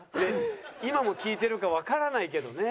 今も効いてるかわからないけどね。